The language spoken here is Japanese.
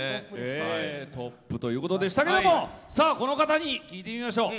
トップということでしたがこの方に聞いてみましょう。